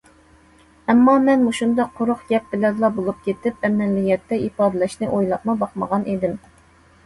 ئەمما مەن مۇشۇنداق قۇرۇق گەپ بىلەنلا بولۇپ كېتىپ ئەمەلىيەتتە ئىپادىلەشنى ئويلاپمۇ باقمىغان ئىدىم.